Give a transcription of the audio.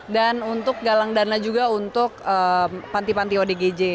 dan untuk galang dana juga untuk panti panti odgj